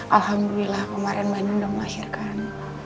alhamdulillah kemarin mbak nunda melahirkan